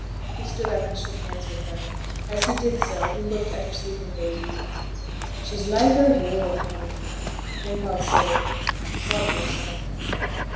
He stood up and shook hands with her. As he did so, he looked at her sleeping baby. 'She's liker yo' than him. A think a'll say, God bless her.'